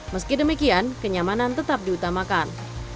meski demikian kenyamanan tetap diutamakan